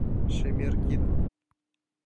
Шемер кид